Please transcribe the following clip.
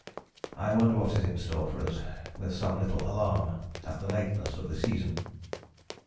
I wonder what is in store for us, with some little alarm at the lateness of the season."